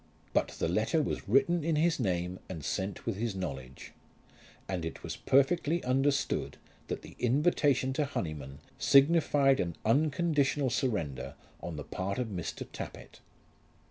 But the letter was written in his name and sent with his knowledge; and it was perfectly understood that that invitation to Honyman signified an unconditional surrender on the part of Mr. Tappitt.